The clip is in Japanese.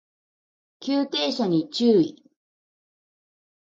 急停車に注意